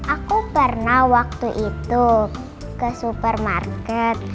aku pernah waktu itu ke supermarket